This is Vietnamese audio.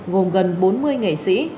gồm gần bốn mươi nghệ sĩ